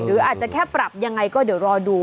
หรืออาจจะแค่ปรับยังไงก็เดี๋ยวรอดู